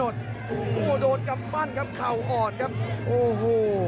โอ้โหโหโดดกับตั้้นครับเข่าอ่อนครับ